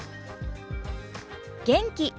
元気。